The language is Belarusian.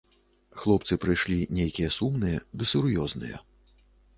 Хлопцы прыйшлі нейкія сумныя ды сур'ёзныя.